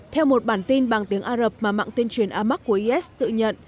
theo một bản tin bằng tiếng ả rập mà mạng tuyên truyền amac của is tự nhận